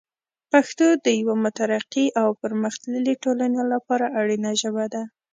پښتو د یوه مترقي او پرمختللي ټولنې لپاره اړینه ژبه ده.